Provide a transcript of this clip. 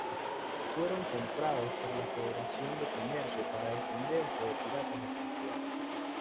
Fueron comprados por la Federación de comercio para defenderse de piratas espaciales.